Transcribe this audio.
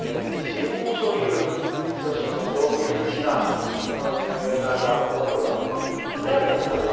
みじんもそういう一つの造形的ないわゆるなんか思いはないんだと。